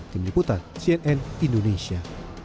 tim liputan cnn indonesia